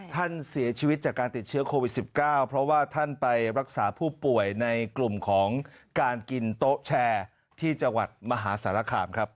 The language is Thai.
ท่านเสียชีวิตจากการติดเชื้อโควิด๑๙เพราะว่าท่านไปรักษาผู้ป่วยในกลุ่มของการกินโต๊ะแชร์ที่จังหวัดมหาสารคามครับ